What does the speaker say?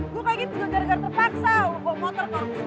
gua kayak gitu juga jarak jarak terpaksa